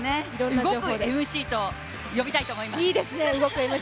動くＭＣと呼びたいと思います。